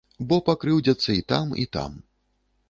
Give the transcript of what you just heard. Бо пакрыўдзяцца і там, і там.